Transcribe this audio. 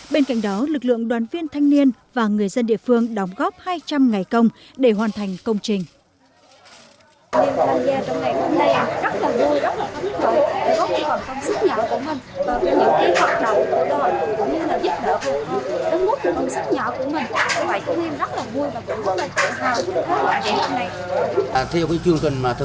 bên cạnh đó lực lượng đoàn viên thanh niên và người dân địa phương đóng góp hai trăm linh ngày công để hoàn thành công trình